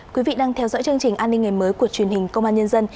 quý vị đang theo dõi chương trình an ninh ngày mới của truyền hình công an nhân dân